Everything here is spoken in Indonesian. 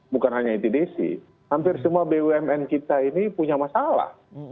bukan hanya itdc hampir semua bumn kita ini punya masalah